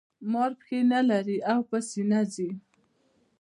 مار پښې نلري او په سینه ځي